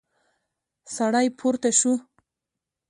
سړی پورته شو.